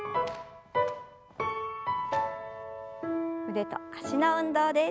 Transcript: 腕と脚の運動です。